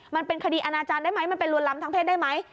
มันเป็นคดีอาณาจารย์ได้ไหมมันเป็นลวนลำทางเพศได้ไหม